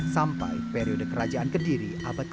sampai periode kerajaan kediri abad ke dua